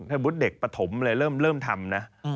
สมมุติเด็กปฐมเลยเริ่มทำนะ